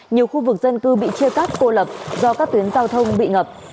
nhiều khu vực dân cư bị chia cắt cô lập do các tuyến giao thông bị ngập